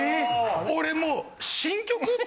俺もう。